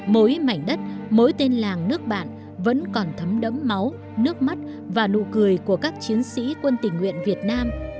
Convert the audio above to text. mỗi mảnh đất mỗi tên làng nước bạn vẫn còn thấm đẫm máu nước mắt và nụ cười của các chiến sĩ quân tình nguyện việt nam